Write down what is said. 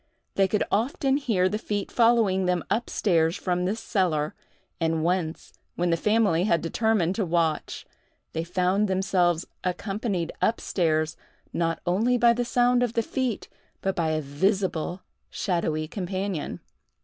They could often hear the feet following them up stairs from this cellar; and once, when the family had determined to watch, they found themselves accompanied up stairs not only by the sound of the feet, but by a visible shadowy companion!